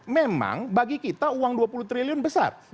memang bagi kita uang dua puluh triliun besar